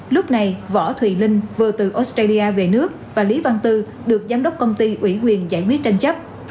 lúc này võ thùy linh vừa từ australia về nước và lý văn tư được giám đốc công ty ủy quyền giải quyết tranh chấp